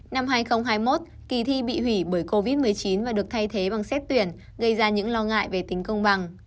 năm hai nghìn hai mươi một kỳ thi bị hủy bởi covid một mươi chín và được thay thế bằng xét tuyển gây ra những lo ngại về tính công bằng